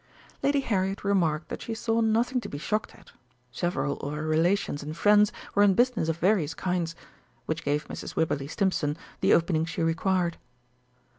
Lady Harriet remarked that she saw nothing to be shocked at several of her relations and friends were in business of various kinds, which gave Mrs. Wibberley Stimpson the opening she required.